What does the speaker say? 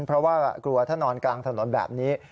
เพราะว่ากลัวถ้านอนกลางถนนแบบนี้